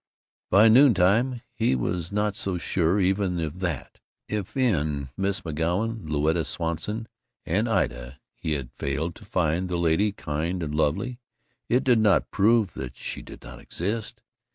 By noontime he was not so sure even of that. If in Miss McGoun, Louetta Swanson, and Ida he had failed to find the lady kind and lovely, it did not prove that she did not exist.